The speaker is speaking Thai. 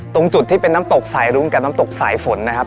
ตรงจุดที่เป็นน้ำตกสายรุ้งกับน้ำตกสายฝนนะครับ